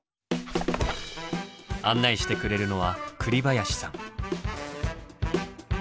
案内してくれるのは栗林さん。